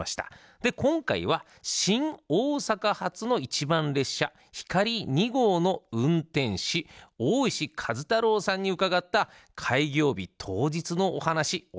で今回は新大阪発の１番列車ひかり２号の運転士大石和太郎さんに伺った開業日当日のお話お届けいたします。